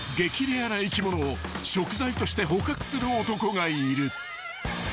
レアな生き物を食材として捕獲する男がいる］